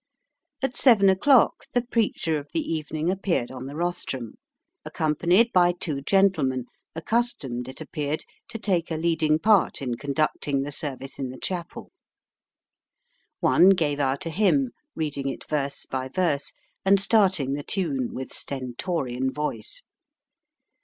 At seven o'clock the preacher of the evening appeared on the rostrum, accompanied by two gentlemen accustomed, it appeared, to take a leading part in conducting the service in the chapel. One gave out a hymn, reading it verse by verse, and starting the tune with stentorian voice.